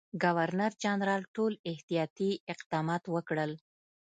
ګورنرجنرال ټول احتیاطي اقدامات وکړل.